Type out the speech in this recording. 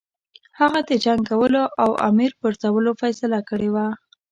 هغه د جنګ کولو او د امیر پرزولو فیصله کړې وه.